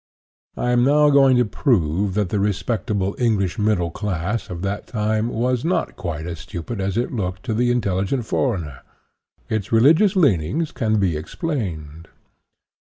I am now going to prove that the respectable English middle class of that time was not quite as stupid as it looked to the intelligent 24 INTRODUCTION foreigner. Its religious leanings can be ex plained.